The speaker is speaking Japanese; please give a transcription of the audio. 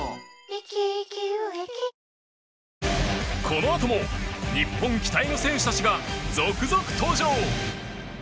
このあとも日本期待の選手たちが続々登場。